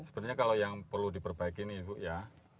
sebenarnya kalau yang perlu diperbaiki ini bu ya